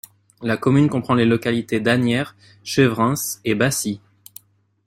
La commune comprend les localités d'Anières, Chevrens et Bassy.